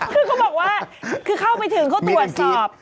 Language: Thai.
คือเขาบอกว่าคือเข้าไปถึงเขาตรวจสอบ